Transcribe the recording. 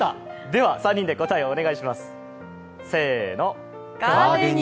では３人で答えをお願いします。